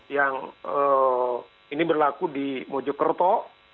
yang ini berlaku di mojokerto